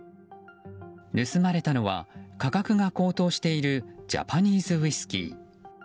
盗まれたのは価格が高騰しているジャパニーズウイスキー。